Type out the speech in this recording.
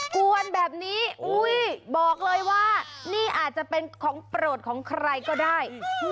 กวนแบบนี้บอกเลยว่านี่อาจจะเป็นของโปรดของใครก็ได้